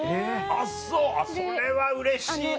あっそうそれはうれしいね。